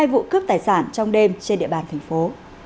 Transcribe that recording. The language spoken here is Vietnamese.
hai vụ cướp tài sản trong đêm trên địa bàn thành phố